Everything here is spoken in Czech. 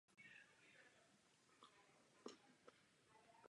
Rusko se prokazatelně snažilo zasahovat i do výsledků dalších voleb.